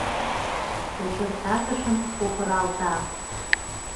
Кочыртатышын кокыралта.